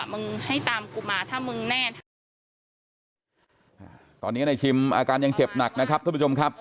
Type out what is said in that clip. มึงให้ตามกูมาถ้ามึงแน่ถ้าอ่าตอนนี้ในชิมอาการยังเจ็บหนักนะครับท่านผู้ชมครับ